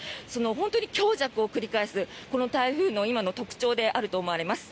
本当に強弱を繰り返すこの台風の今の特徴であると思われます。